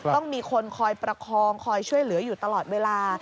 ต้องมีคนคอยประคองคอยช่วยเหลืออยู่ตลอดเวลา